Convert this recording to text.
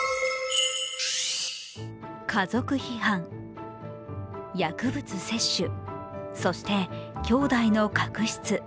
家族批判、薬物摂取、そして兄弟の確執。